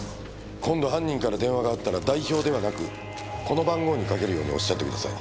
今度犯人から電話があったら代表ではなくこの番号にかけるようにおっしゃってください。